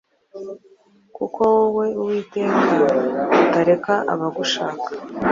kuko wowe Uwiteka utareka abagushaka.